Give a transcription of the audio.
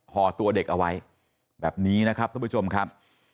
ห่อตัวเด็กเอาไว้แบบนี้นะครับท่านผู้ชมครับ